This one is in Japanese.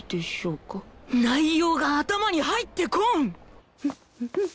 内容が頭に入ってこん！あーっ！